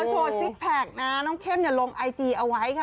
พอโชว์สิทธิ์แพลกนะฮะน้องเข้มเนี่ยลงไอจีเอาไว้ค่ะ